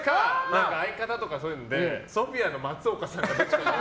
相方とかそういうのでＳＯＰＨＩＡの松岡さん。